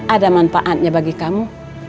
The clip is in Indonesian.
ada manfaatnya bagi kamu